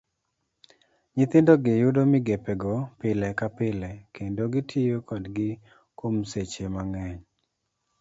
Nyithindogi yudo migepego pile ka pile, kendo gitiyo kodgi kuom seche mang'eny.